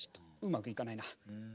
うまくいかないな。